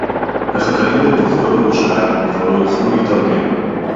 החקלאים בפרוזדור ירושלים כבר לא יוכלו להתארגן